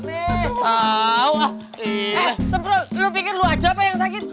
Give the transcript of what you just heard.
eh semprong lu pikir lu aja apa yang sakit